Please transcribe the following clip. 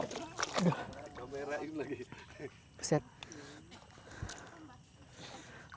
susah banget menempatkan di sini ya mak